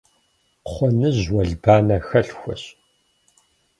Кхъуэныжь уэлбанэ хэлъхуэщ.